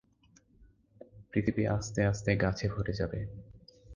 পৃথিবী আস্তে-আস্তে গাছে ভরে যাবে।